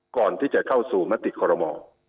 ก่อนที่จะเข้าสู่มติคอรมอ